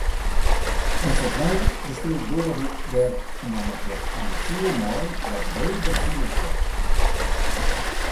Neffens my beskriuwt Goodijk, dêr nammentlik in gefoel mei dat breder field wurdt.